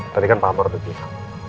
tadi kan pak amar berdiri